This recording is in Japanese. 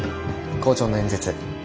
校長の演説